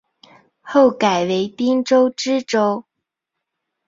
后改为滨州知州。